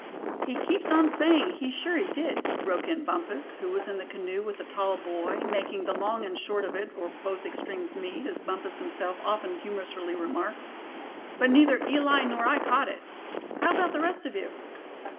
"He keeps on sayin' he's sure he did," broke in Bumpus, who was in the canoe with the tall boy, making "the long and short of it, or both extremes meet," as Bumpus himself often humorously remarked; "but neither Eli nor I caught it. How about the rest of you?"